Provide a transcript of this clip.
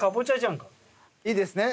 いいですね？